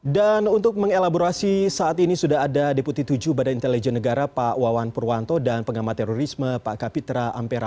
dan untuk mengelaborasi saat ini sudah ada deputi tujuh badan intelijen negara pak wawan purwanto dan pengamal terorisme pak kapitra ampera